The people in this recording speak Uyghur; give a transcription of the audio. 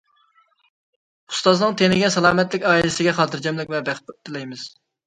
ئۇستازنىڭ تېنىگە سالامەتلىك، ئائىلىسىگە خاتىرجەملىك ۋە بەخت تىلەيمەن.